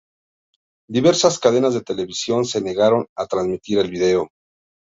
Diversas cadenas de televisión se negaron a transmitir el video.